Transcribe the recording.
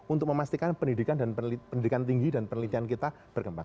untuk memastikan pendidikan tinggi dan penelitian kita berkembang